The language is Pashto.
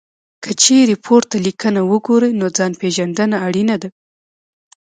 که چېرې پورته لیکنه وګورئ، نو ځان پېژندنه اړینه ده.